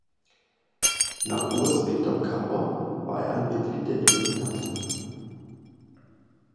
Nach Urs Viktor Kamber war er ein Mitglied der Illuminaten.